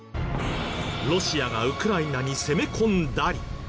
ロシアがウクライナに攻め込んだり。